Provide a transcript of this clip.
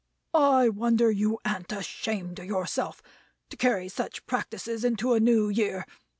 "I wonder you an't ashamed of yourself, to carry such practices into a New Year.